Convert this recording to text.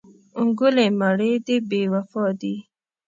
ګلې مړې دې بې وفا دي.